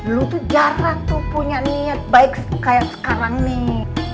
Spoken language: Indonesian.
lu tuh jarang tuh punya niat baik kayak sekarang nih